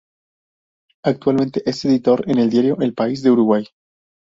Actualmente es editor en el diario El País de Uruguay.